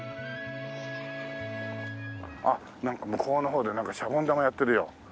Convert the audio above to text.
あっなんか向こうの方でなんかシャボン玉やってるよ。